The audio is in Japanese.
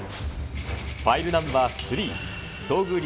ファイルナンバー３、遭遇率